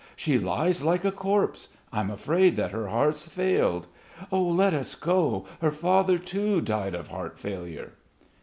She lies like a corpse.... I'm afraid that her heart's failed.... Let us go.... Her father too died of heart failure."